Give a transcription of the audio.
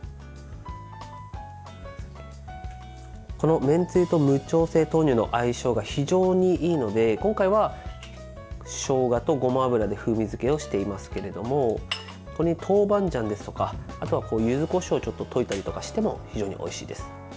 このめんつゆと無調整豆乳の相性が非常にいいので今回はしょうがとごま油で風味付けをしていますけれどもここに豆板醤ですとかあとはゆずこしょうをちょっと溶いたりとかしても非常においしいです。